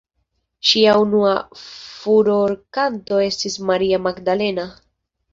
Ŝia unua furorkanto estis "Maria Magdalena".